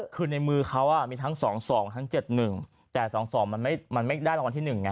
คือในมือเขามีทั้ง๒๒ทั้ง๗๑แต่๒๒มันไม่ได้รางวัลที่๑ไง